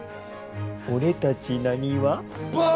俺たちなにわ。